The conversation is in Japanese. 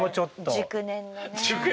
熟年のね。